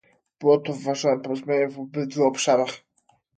Było to wyważone porozumienie w obydwu obszarach